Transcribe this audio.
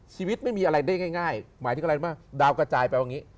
ชีวิตไม่มีอะไรได้ง่ายหมายถึงว่าดาวกระจายเป็นแบบนี้